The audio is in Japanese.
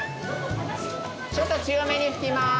ちょっと強めに吹きます。